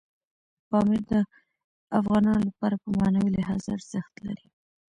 پامیر د افغانانو لپاره په معنوي لحاظ ارزښت لري.